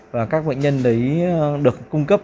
và các bệnh nhân đấy được cung cấp